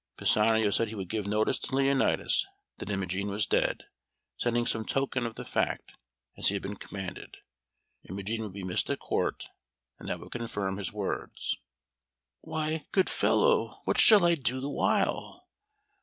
Pisanio said he would give notice to Leonatus that Imogen was dead, sending some token of the fact as he had been commanded. Imogen would be missed at Court, and that would confirm his words. "Why, good fellow, what shall I do the while?